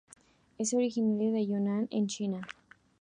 Es originaria de Yunnan en China.